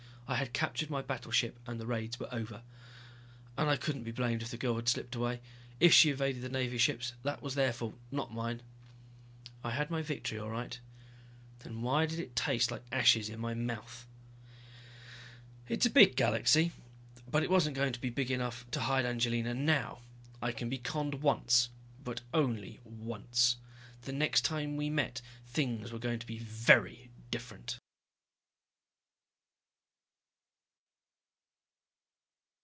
I had captured my battleship and the raids were over. And I couldn't be blamed if the girl had slipped away. If she evaded the Navy ships, that was their fault, not mine. I had my victory all right. Then why did it taste like ashes in my mouth? It's a big galaxy, but it wasn't going to be big enough to hide Angelina now. I can be conned once but only once. The next time we met things were going to be very different.